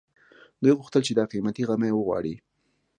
دوی غوښتل چې دا قيمتي غمی وغواړي